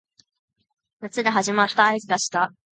夏が始まった合図がした